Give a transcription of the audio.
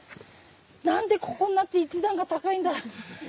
なんでここになって１段が高いんだ。